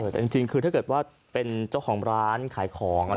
แต่จริงคือถ้าเกิดว่าเป็นเจ้าของร้านขายของ